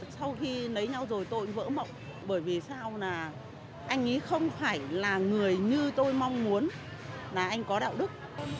sau khi lấy nhau rồi tôi vỡ mộng bởi vì sao là anh ý không phải là người như tôi mong muốn là anh có đạo đức